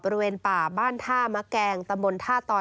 บริเวณป่าบ้านท่ามะแกงตำบลท่าตอย